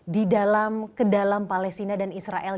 di dalam ke dalam palestina dan israel